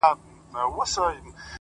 د ميني داغ ونه رسېدی،